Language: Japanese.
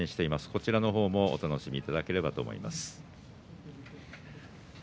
こちらの方もお楽しみいただければと思います。